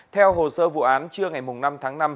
theo hồ sơ vụ án trưa ngày năm tháng năm